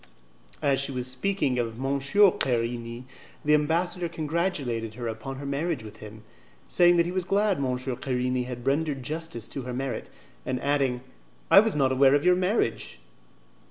As she was speaking of M. Querini, the ambassador congratulated her upon her marriage with him, saying that he was glad M. Querini had rendered justice to her merit, and adding, "I was not aware of your marriage."